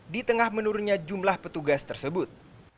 di tengah menurunnya jumlah petugas tersebut